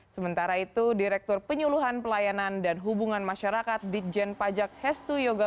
sementara itu direktur penyuluhan pelayanan dan hubungan masyarakat ditjen pajak hestu yoga